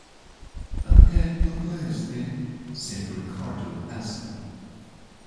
"I hate publicity," said Ricardo acidly.